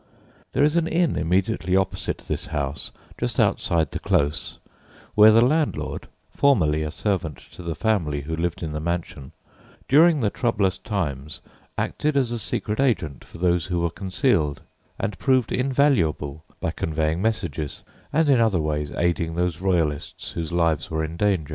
There is an inn immediately opposite this house, just outside the close, where the landlord (formerly a servant to the family who lived in the mansion) during the troublous times acted as a secret agent for those who were concealed, and proved invaluable by conveying messages and in other ways aiding those Royalists whose lives were in danger.